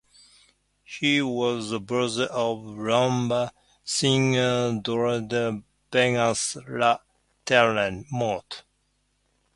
He was the brother of rumba singer Dolores Vargas "La Terremoto".